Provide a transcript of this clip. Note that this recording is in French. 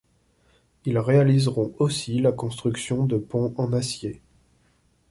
Ils réaliseront aussi la construction de ponts en acier.